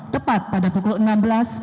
tepat pada pukul enam belas